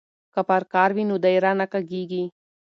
که پرکار وي نو دایره نه کږیږي.